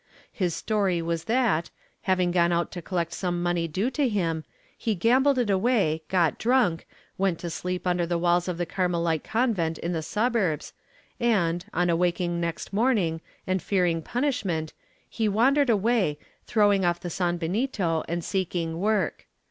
His story was that, having gone out to collect some money due to him, he gambled it away, got drunk, went to sleep under the walls of the Carmehte convent in the suburbs and, on awaking next morning and fearing punishment, he wandered away, throwing off the sanbenito and seeking work.